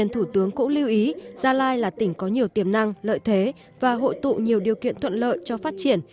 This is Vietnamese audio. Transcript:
thủ tướng cũng lưu ý gia lai là tỉnh có nhiều tiềm năng lợi thế và hội tụ nhiều điều kiện thuận lợi cho phát triển